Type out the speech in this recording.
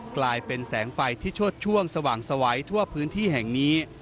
กลายเป็นแสงไฟที่ชดช่วงสว่างสวัยทั่วพื้นที่แห่งนี้